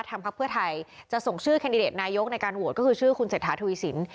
พักเพื่อไทยจะส่งชื่อแคนดิเดตนายกในการโหวตก็คือชื่อคุณเศรษฐาทวีสิน